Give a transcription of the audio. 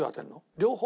両方？